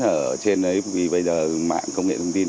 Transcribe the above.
ở trên đấy vì bây giờ mạng công nghệ thông tin